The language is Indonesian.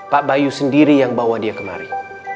pak bayu sendiri yang bawa dia kemari